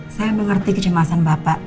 saya mengerti kecemasan bapak